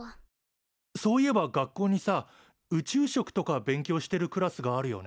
そういえば学校にさ宇宙食とか勉強してるクラスがあるよね？